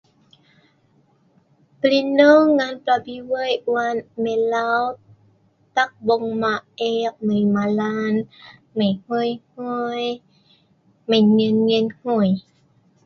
Plineu ngan pelabi wei' wan milau tak bongma ek mai malan mai hngui-hngui mai nyen-nyen hngui.